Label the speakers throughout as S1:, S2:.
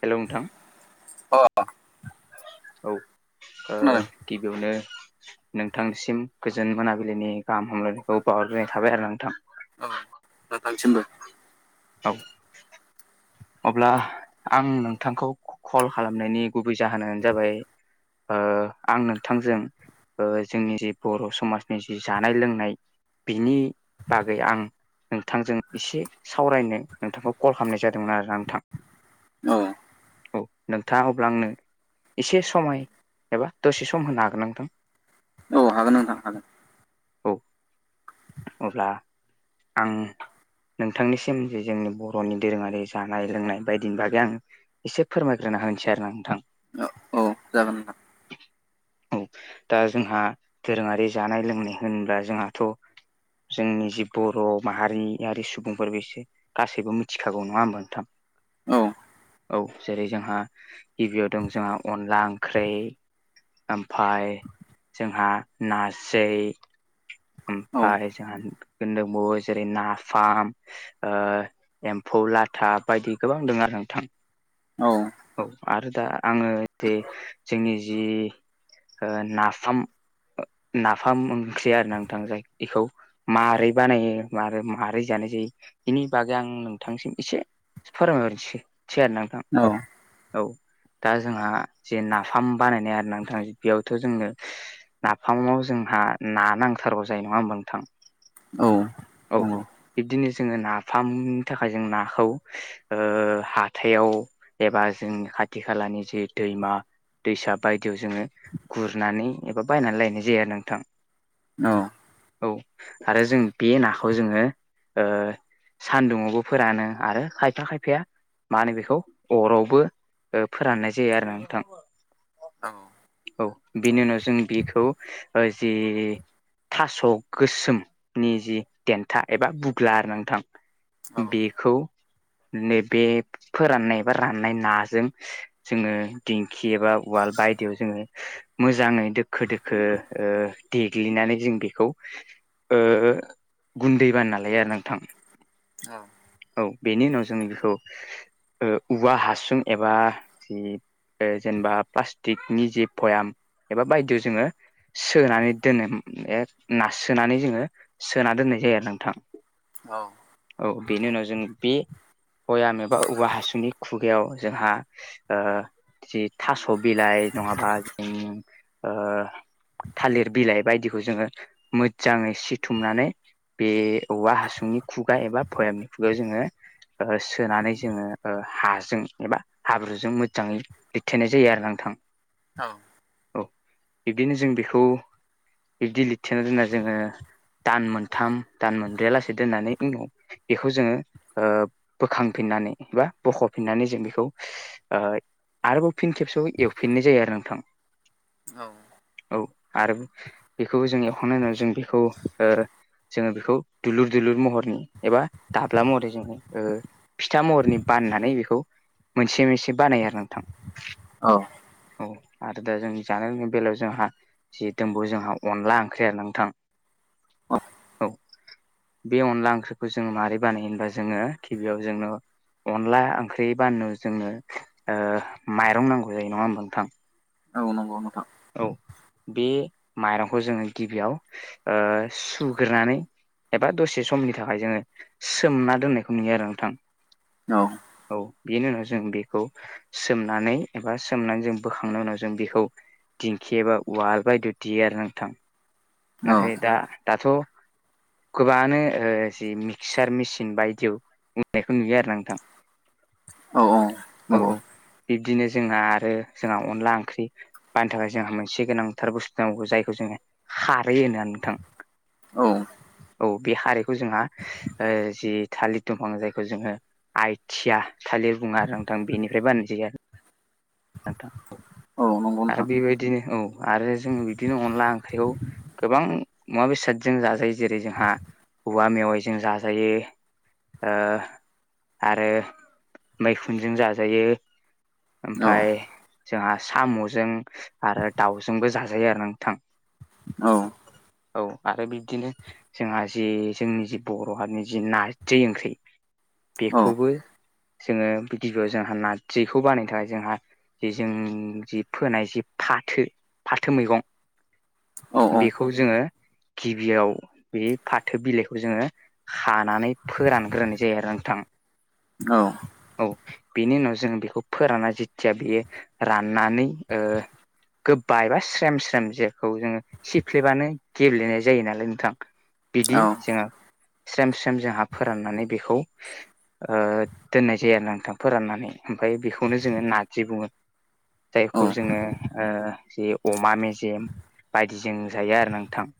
S1: हेल' नोंथां।
S2: अ अ।
S1: औ ओ
S2: खोनादों
S1: गिबियावनो नोंथांसिम गोजोन मोनाबिलिनि गाहाम हामलायनायखौ बावहरग्रोनाय थाबाय आरोना नोंथां।
S2: औ [unintelligible]
S1: औ। अब्ला आं नोंथांखौ कल खालामनायनि गुबै जाहोनानो जाबाय ओ आं नोंथांजों ओ जोंनि जि बर' समाजनि जि जानाय लोंनाय बिनि बागै आं नोंथांजों एसे सावरायनो नोंथांखौ कल खालामनाय जादों। दोंमोन आरो नंथां
S2: औ
S1: औ नोंथाङा अब्ला आंनो एसे समाय एबा दसे सम होनो हागोन नोंथां।
S2: औ हागोन नोंथां हागोन।
S1: औ। अब्ला आं नोंथांनिसिम जे जोंनि बर'नि दोरोङारि जानाय लोंनाय बायदिनि बागै आं एसे फोरमायग्रोना होनोसै आरो ना नोंथां।
S2: औ औ जागोन ना
S1: [unintelligible] औ दा जोंहा दोरोङारि जानाय लोंनाय होनोब्ला जोंहाथ'। जोंनि जि बर' माहारियारि सुबुंफोर बेसो गासैबो मिथिखागौ नङा [unintelligible] थां।
S2: औ
S1: औ जेरै जोंहा गिबियाव दं जोंहा अनला ओंख्रै। ओमफाय जोंहा ना [unintelligible]
S2: औ
S1: ओमफाय जोंहा दोनदोंबावो जेरै नाफाम। ओ एम्फौ लाथा बायदि गोबां दङ आरो नोंथां औ। आरो दा आङो जे जोंनि जि ओ नाफाम नाफाम ओंख्रि आरो ना नोंथां जाय बेखौ मारै बानायो बा मारै जानाय जायो बिनि बागै आं नोंथांसिम एसे। [unintelligible]
S2: औ।
S1: औ दा जोंहा जे नाफाम बानायनाय आरो नोंथां बेयावथ' जोंनो नाफामाव जोंहा ना नांथारगौ जायो नङा होमबा नोंथां।
S2: औ
S1: औ
S2: नंगौ।
S1: बिब्दिनो जोङो नाफामनि थाखाय जों नाखौ हाथायाव एबा जोंनि खाथि खालानि जि दैमा दैसा बायदियाव जोङो गुरनानै एबा बायनानै लायनाय जायो नोंथां।
S2: औ
S1: औ आरो जों बे नाखौ जोङो ओ सान्दुङआवबो फोरानो आरो खायफा खायफाया मा होनो बेखौ अरावबो फोराननाय जायो आरोना नोंथां
S2: औ
S1: औ बिनि उनाव जों बेखौ जि थास' गोसोमनि जि देन्था एबा बुग्ला आरो नोंथां बेखौ नैबे फोराननाय एबा राननाय नाजों जोङो दिंखि एबा उवाल बायदियाव जोङो मोजाङै दोखो दोखो ओ देग्लिनानै जों बेखौ ओ गुन्दै बानायना लायो आरो नोंथां
S2: औ
S1: औ बेनि उनाव जों बेखौ ओ औवा हासुं एबा जि जेनेबा प्लास्टिक नि जे भयाम एबा बायदियाव जोङो सोनानै दोनो ए नारसोनानै जोङो सोना दोननाय जायो आरो नोंथां
S2: औ।
S1: औ बेनि उनाव जों बे भयाम एबा औवा हासुनि खुगायाव जोहा ओ जि थास' बिलाइ नङाबा जों ओ थालिर बिलाइ बायदिखौ जोङो मोजाङै सिथुमनानै बे औवा हासुनि खुगा एबा भयामनि खुगायाव जोङो ओ सोनानै जोङो हाजों एबा हाब्रुजों मोजाङै लिरथेनाय जायो आरो नोंथां।
S2: औ।
S1: औ बिब्दिनो जों बेखौ बिदि लिरथेना दोनना जोङो दान मोनथाम दान मोनब्रैया लासेै दोननानै उनाव बेखौ जोङो बोखांफिननानै बा बख'फिननानै जों बेखौ आरोबाव फिन खेबसेयाव एवफिननाय जायो आरो नोंथां
S2: औ।
S1: औ आरो बेखौ जों एवखांनायनि उनाव जों बेखौ जोङो बेखौ दुलुर दुलुर महरनि एबा दाब्ला महरै जोङो ओ फिथा महरनि बाननानै बेखौ मोनसे मोनसे बानायो आरो नोंथां
S2: औ।
S1: औ आरो दा जों जानाय लोंनि बेलायाव जोंहा जि दोनबौ जोंहा अनला ओंख्रि आरो नोंथां औ बे अनला ओंख्रिखौ जोङो माबोरै बानायो होनबा जोङो गिबियाव जोंनो अनला ओंख्रि बानायनो जोंनो माइरं नांगौ जायो नङा होमबा नोंथां।
S2: औ नंगौ नोंथां।
S1: औ बे माइरंखौ जोङो गिबियाव सुग्रोनानै एबा दसे समनि थाखाय जोङो सोमना दोननायखौ नुयो आरो नोंथां।
S2: औ।
S1: औ बेनि उनाव जों बेखौ सोमनानै एबा सोमनानै जों बोखांनायनि उनाव जों बेखौ दिंखिबा उवाल बायदियाव देयो आरो नोंथां
S2: औ
S1: नाथाय दा दाथ' गोबांनो जि मिक्सार मेसिन बायदियाव होनायखौ नुयो आरो नोंथां।
S2: औ औ।
S1: औ
S2: नंगौ
S1: औ बिब्दिनो जोंना आरो जोंहा अनला ओंख्रि बायनो थाखाय जोंहा मोनसे गोनांथार बुस्थु नांगौ जायखौ जोङो खारै होनोना नोंथां
S2: औ।
S1: औ बे खारिखौ जोंहा जि थालिर दंफां जायखौ जोङो। आइथिया थालिर बुङो आरो नोंथां बेनिफ्राय बानायनाय जायो आरो। थां औ
S2: नंगौ
S1: आरो
S2: नोंथां
S1: बेबायदिनो औ आरो जोङो बिदिनो अनला ओंख्रिखौ गोबां मुवा बेसादजों जाजायो जेरै जोंहा औवा मेवायजों जाजायो। आरो मैखुनजों जाजायो।
S2: औ
S1: ओमफाय जोंहा साम'जों आरो दावजोंबो जाजायो आरो नोंथां
S2: औ।
S1: औ आरो बिदिनो जोंहा जि जोंनि जि बर' हारिनि जि नारजि ओंख्रि बेखौबो जोङो गिबियाव जोंहा नारजिखौ बानायनो थाखाय जोंहा जे जों जि फोनाय जि फाथो फाथो मैगं बेखौ खौ जोङो गिबियाव बे फाथो बिलाइखौ जोङो खानानै फोरानग्रोनाय जायो आरो नोंथां।
S2: औ।
S1: औ बेनि उनाव जों बेखौ फोराना जेथिया बेयो राननानै गोबा एबा स्रेम स्रेम जेखौ जोङो सिफ्लेबानो गेब्लेनाय जायो नालाय नोंथां बिदि जोङो। स्रेम स्रेम जोंहा फोराननानै बेखौ दोननाय जायो आरो नोंथां फोराननानै ओमफ्राय बेखौनो जोङो नार्जि बुङो जायखौ
S2: औ
S1: जोङो ज अमा मेजेम बायदिजों जायो आरो नोंथां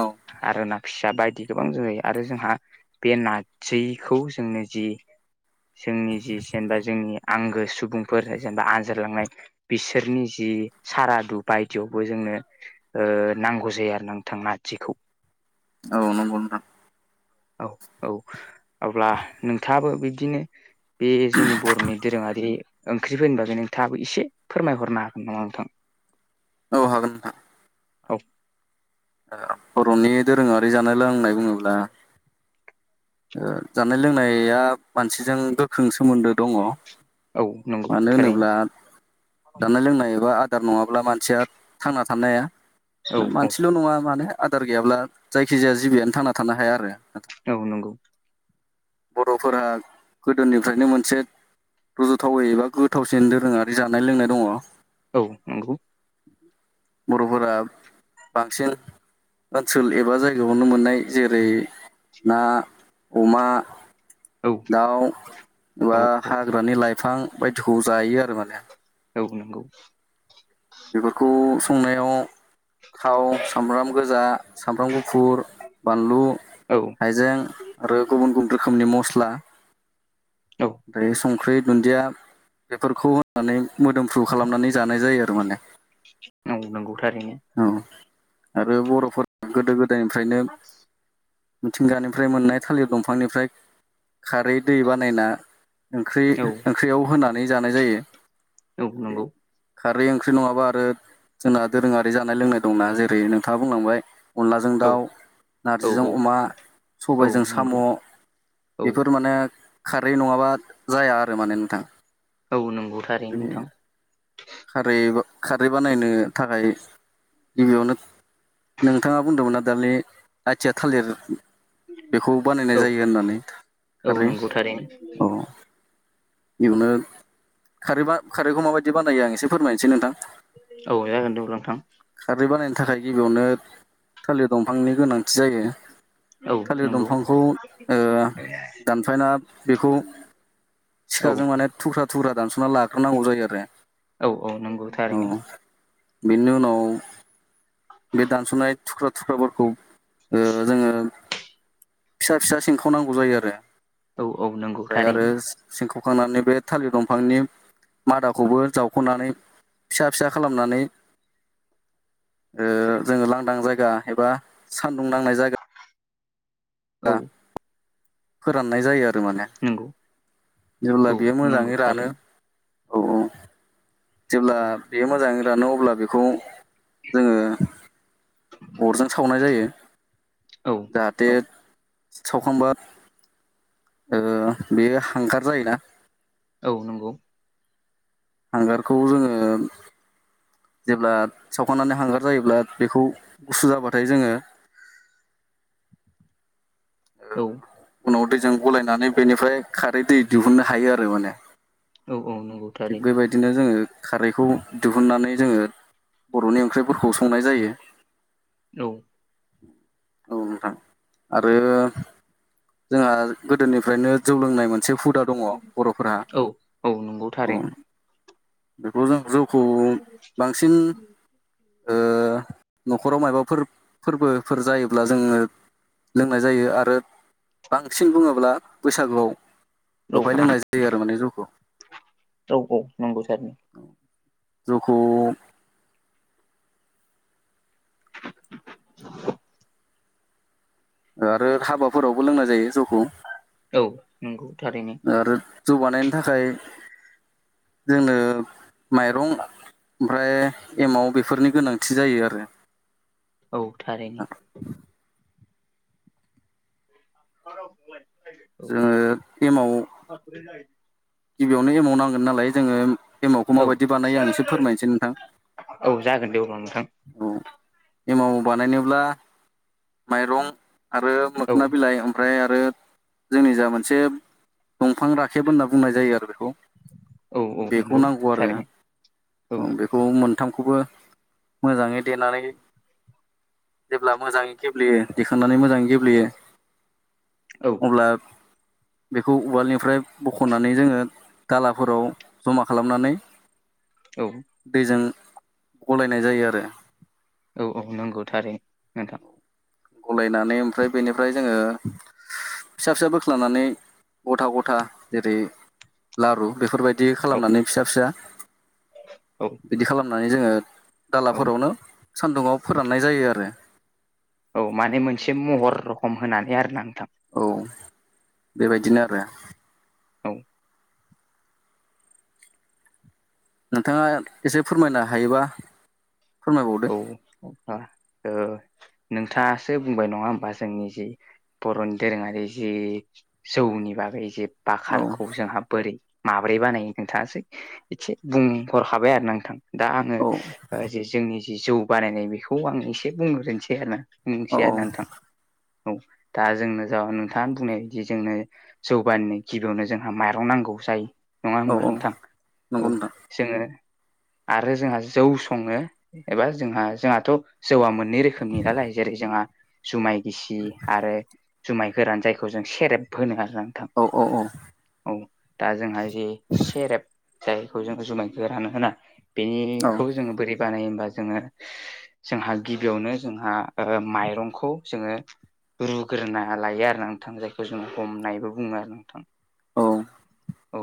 S2: औ
S1: आर ना फिसा बायदि गोबां जोहयो आरो जोंहा बे नारजिखौ जोंनो जि जोंनि जि जेनेबा जोंनि आंगो सुबुं फोर जेनेबा आनजादलांनाय बिसोरनि जि सारादु बायदियावबो जोंनो नांगौ जायो आरो ना नोंथांना आजखौ
S2: औ नंगौ न
S1: औ औ अब्ला नोंथाङाबो बिदिनो बे जोंनि बर'नि दोरोङारि ओंख्रिफोरनिब बे नोंथाङाबो एसे फोरमायहरनो हागोन नामा नोंथां
S2: औ हागोन नोंथां
S1: औ
S2: बर'नि दोरोङरारि जानो लोंनाय बुङोब्ला जानाय लोंनाया मानसिजों गोख्रों सोमोन्दो दङ
S1: औ नंगौ
S2: मानो
S1: थारैनो
S2: होनोब्ला जानाय लोंनाय एबा आदार नङाब्ला मानसिया थांना थानाय
S1: औ
S2: हाया
S1: औ
S2: मानसिल' नङा माने आदार गैयाब्ला जायखिजाया जिबियानो थांना थानो हाया आरो नाथाय
S1: औ नोंगौ
S2: बर'फोरा गोदोनिफ्रायनो मोनसे रज'थावै एबा गोथावसिन दोरोङारि जानाय लोंनाय दङ
S1: औ नंगौ
S2: बर'फोरा बांसिन ओनसोल एबा जायगाायावनो मोननाय जेरै ना अमा
S1: औ
S2: दाउ
S1: औ
S2: बा
S1: औ
S2: हाग्रानि लाइफां बायदिखौ जायो आरो माने
S1: औ नांगौ
S2: बेफोरखौ संनायाव थाव सामब्राम गोजा सामब्राम गुफुर बानलु
S1: औ
S2: हाइजें आरो गुबुन गुबुन रोखोमनि मस्ला
S1: औ
S2: ओमफ्राय संख्रि दुन्दिया बेफोरखौ होनानै मोदोमफ्रु खालामनानै जानाय जायो आरो माने
S1: नंगौ थारैङनो।
S2: औ आरो बर'फोरा गोदो गोद गोदोनिफ्रायनो मिथिंगानिफ्राय मोननाय थालिर दंफांनिफ्राय खारै दै बानायना ओंख्रि
S1: औ
S2: ओंख्रियाव होनानै जानाय जायो।
S1: औ नंगौ।
S2: खारै ओंख्रि नङाबा आरो जोंहा दोरोङारि जानाय लोंनाय दंना जेरै नोंथाङा बुंलांबाय। अनलाजों
S1: औ
S2: दाउ
S1: औ
S2: नारजिजों
S1: औ
S2: अमा
S1: औ
S2: सबायजों साम'।
S1: नंगौ औ
S2: बेफोर माने खारै नङाबा जाया आरो माने नोंथां।
S1: औ नंगौ थारै
S2: बिदिनो
S1: नोंथां।
S2: खारै खारै बानायनो थाखाय। गिबियावनो नोंथाङा बुंदोंमोनना दानि आथिया थालिर। बेखौ बानायनाय
S1: औ
S2: जायो होननानै
S1: औ
S2: खारै
S1: नंगौ थारैनो
S2: औ। बेयावनो खारै खारैखौ माबायदि बानायो आं एसे फोरमायनोसै नोंथां।
S1: औ जागोन दे लां थां।
S2: खारै बानायनो थाखाय गिबियावनो थालिर दंफांनि गोनांथि जायो।
S1: औ
S2: थालिर
S1: नंगौ
S2: दंफांखौ ओ दानफायना बेखौ
S1: औ
S2: सिखाजों माने थुख्रा थुख्रा दानस'ना लाग्रोनांगौ जायो आरो
S1: औ औ नंगौ थारैनो।
S2: औ बेनि उनाव बे दानस'नाय थुख्रा थुख्राफोरखौ ओ जोङो फिसा फिसा सिंखावनांगौ जायो आरो
S1: औ औ नंगौ
S2: ओमफ्राय आरो
S1: थारैनो
S2: सिंखावखांनानै बे थालिर दंफांनि मादाखौबो जावख'नानै फिसा फिसा खालामनानै ओ जोङो लांदां जायगा एबा सान्दुं दांनाय जायगा। दा
S1: औ
S2: फोराननाय जायो आरो माने।
S1: नंगौ
S2: जेब्ला
S1: औ
S2: बेयो
S1: नंगौ
S2: मोजाङै रानो
S1: थारैनो
S2: औ औ। जेब्ला बे मोजाङै रानो अब्ला बेखौ जोङो अरजों सावनाय जायो
S1: औ
S2: जाहाथे
S1: औ
S2: सावखांबा बेयो हांगार जायोना।
S1: औ नंगौ।
S2: हांगारखौ जोङो जेब्ला सावखांनानै हांगार जायोब्ला बेखौ गुसु जाबाथाय जोङो
S1: औ
S2: उनाव दैजों गलायनानै बेनिफ्राय खारै दै दिहुननो हायो आरो माने।
S1: औ औ नंगौ। थारैनो
S2: बेबायदिनो जोङो खारैखौ दिहुननानै जोङो बर'नि ओंख्रिफोरखौ संनाय जायो।
S1: औ
S2: औ नोंथां आरो जोंहा गोदोनिफ्रायनो जौ लोंनाय मोनसे हुदा दङ बर'फोरहा‌।
S1: औ औ नंगौ थारैनो।
S2: बेखौ जों जौखौ बांसिन ओ न'खराव मायाबाफोर फोरबोफोर जायोब्ला जोङो लोंनाय जायो आरो बांसिन बुङोब्ला बैसागुआव
S1: औ
S2: बेहाय लोंनाय जायो आरो माने जौखौ।
S1: जौखौ नांगौ दे।
S2: जैखौ आरो हाबाफोरावबो लोंना जायो जै खौ।
S1: औ नंगौ थारैनो।
S2: आरो जौगानायनि थाखाय जोंनो माइरं ओमफ्राय एमव बेफोरनि गोनांथि जायो आरो
S1: औ थारैनो मा राव बुंबाय
S2: जोङो एमाव
S1: हा फुरै जायो
S2: गिबियावनो एमाव नांगोन नालाय जोङो एमावखौ
S1: औ
S2: माबायदि बानायो आं एसे फोरमायनोसै नोंथां
S1: औ जागोन दे अब्ला नोंथां
S2: औ एमाव बानायनोब्ला माइरं आरो
S1: औ
S2: मोखोना बिलाइ ओम फ्राय आरो जोंनि जा मोनसे दंफां राखेब होनना बुंनाय जायो आरो बेखौ
S1: औ औ
S2: बेखौ
S1: नंगौ
S2: नांगौ
S1: थारैनो औ
S2: आरो बेखौ मोनथामखौबो मोजाङै देनानै जेब्ला मोजाङै गेब्लेयो देखांनानै मोजां गेब्लेयो
S1: औ
S2: अब्ला बेखौ उवालनिफ्राय बख'नानै जोङो दालाफोराव जमा खालामनानै
S1: औ
S2: दैजों गलायनाय जायो आरो
S1: औ औ नंगौ थारै नोंथां
S2: गलायनानै ओमफ्राय बेनिफ्राय जोङो फिसा फिसा बोख्लानानै गथा गथा जेरै लारु बेफोरबायदि बिदि
S1: औ
S2: खालामनानै फिसा फिसा
S1: औ
S2: बिदि खालामनानै जोङो
S1: औ
S2: दालाफोरावनो सान्दुङाव फोराननाय जायो आरो
S1: औ माने मोनसे महर रखम होनानै आरोना नोंथां
S2: औ बेबायदिनो आरो
S1: औ
S2: नोंथाङा एसे फोरमायनो हायोबा फोरमायबावदो
S1: औ आं ओ नोंथाङासो बुंबाय नङा होमबा जोंनि जि बर'नि दोरोङारि जि जौनि बागै जे
S2: औ
S1: बाखारखौ जोंहा बोरै माब्रै बानायो नोंथाङासै एसे बुंहरखाबाय आरो नोंथां दा आङो
S2: औ
S1: जे जोंनि जि जौ बानायनाय बेखौ आं एसे बुंग्रोनोसै आरोना
S2: औ
S1: मिथि आरो नोंथां औ दा जोंनो जा नोंथाङा बुंनाय बायदि जोंनो जौबानिनो गिबियावनो जोंहा माइरं नांगौ जायो नङा होमबा
S2: औ
S1: नोंथां औ
S2: नंगौ नोंथां
S1: जोङो आरो जोंहा जौ सङो एबा जोंहा जोंहाथ' जौआ मोनो मोनै रोखोमनि नालाय जेरै जोंहा जुमाय गिसि आरो जुमाय गोरान जायखौ जों सेरेब होनो आरोना नोंथां
S2: औ औ औ
S1: औ दा जोंहा जे सेरेब जायखौ जोङो जुमाय गोरान होना
S2: औ
S1: बेनिखौ जोङो बोरै बानाय होमबा जोङो जोंहा गिबियावनो जोंहा माइरंखौ जोङो रुग्रोना लायो आरोना नोंथां जायखौ जों हमनायबो बुङो आरो नोंथां
S2: औ
S1: औ